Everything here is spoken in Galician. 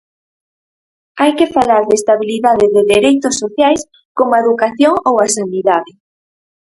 Hai que falar de estabilidade de dereitos sociais como a educación ou á sanidade.